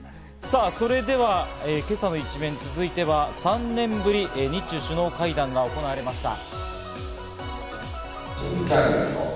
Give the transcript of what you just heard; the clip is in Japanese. さぁ、それでは今朝の一面、続いては３年ぶり、日中首脳会談が行われました。